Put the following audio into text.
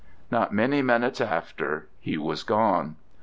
Not many minutes after, he was gone.